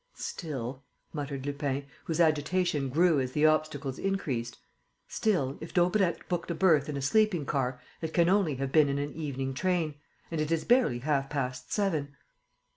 "Still," muttered Lupin, whose agitation grew as the obstacles increased, "still, if Daubrecq booked a berth in a sleeping car, it can only have been in an evening train. And it is barely half past seven!"